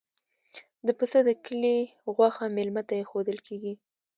د پسه د کلي غوښه میلمه ته ایښودل کیږي.